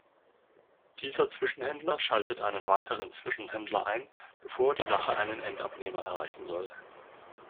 Dieser Zwischenhändler schaltet einen weiteren Zwischenhändler ein, bevor die Sache einen Endabnehmer erreichen soll.